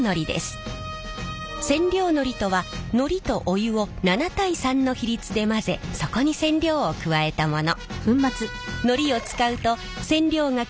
染料のりとはのりとお湯を７対３の比率で混ぜそこに染料を加えたもの。